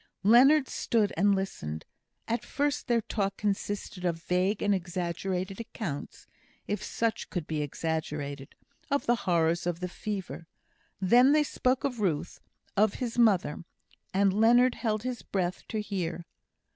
Leonard stood and listened. At first their talk consisted of vague and exaggerated accounts (if such could be exaggerated) of the horrors of the fever. Then they spoke of Ruth of his mother; and Leonard held his breath to hear.